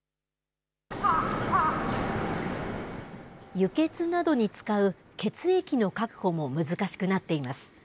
輸血などに使う血液の確保も難しくなっています。